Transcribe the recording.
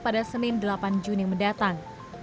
pada senin delapan juni mendatang